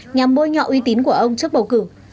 nhằm bôi nhọ uy tín của ông trước bầu cử